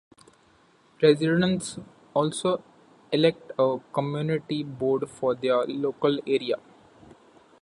Residents also elect a community board for their local area.